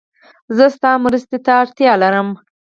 زه ستا مرسته ته اړتیا لرم.